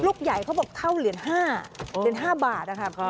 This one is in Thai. ลูกใหญ่เขาบอกเท่าเหรียญ๕บาทนะคะ